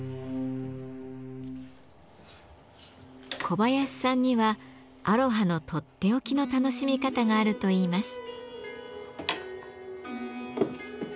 小林さんにはアロハのとっておきの楽しみ方があるといいます。